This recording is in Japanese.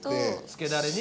つけだれに。